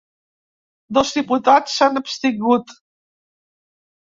Dos diputats s’han abstingut.